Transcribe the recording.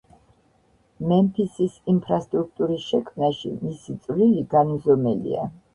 მემფისის ინფრასტრუქტურის შექმნაში მისი წვლილი განუზომელია.